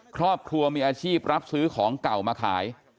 ครอบครัวมีอาชีพรับซื้อของเก่ามาขาย